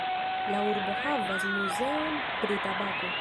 La urbo havas muzeon pri tabako.